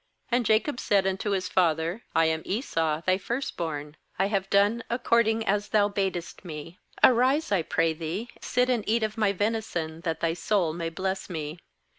19And Jacob said unto his father: 'I am Esau thy first born; I have done according as thou badest me. Arise, I pray thee, sit and eat of my venison, that thy soul may bless me.'